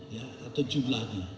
ya atau jumlahnya